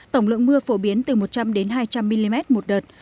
tổng lượng mưa phổ biến từ một trăm linh hai trăm linh mm một đợt